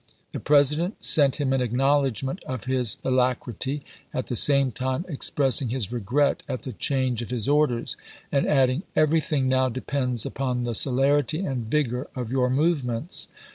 The President sent him an acknowledgment of his alacrity, at the same time expressing his regret at the change of his orders, and adding, " Everything now depends ihi.i. upon the celerity and vigor of your movements."